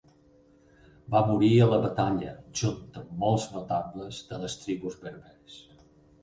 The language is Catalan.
Va morir a la batalla junt amb molts notables de les tribus berbers.